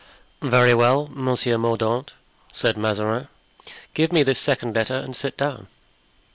"Very well, Monsieur Mordaunt," said Mazarin, "give me this second letter and sit down."